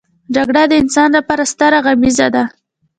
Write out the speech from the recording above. جګړه د انسان لپاره ستره غميزه ده